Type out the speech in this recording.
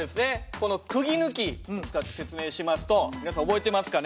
このくぎ抜き使って説明しますと皆さん覚えてますかね？